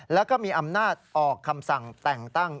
แล้วก็มีอำนาจออกคำสั่งแต่งตั้ง